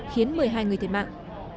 khiến một mươi hai người thiệt mạng